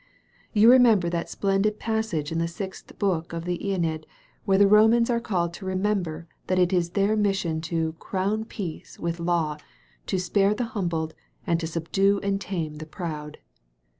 You remember that splendid passage in the Sixth Book of the iEneid where the Romans are called to remember that it is their mission 'to crown Peace with Law, to spare the humbled, and to subdue and tame the proud.'